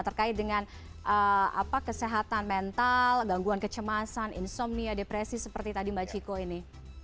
terkait dengan kesehatan mental gangguan kecemasan insomnia depresi seperti tadi mbak ciko ini